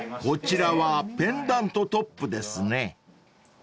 ［こちらはペンダントトップですね］